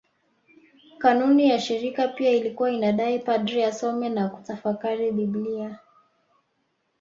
Kanuni ya shirika pia ilikuwa inadai padri asome na kutafakari Biblia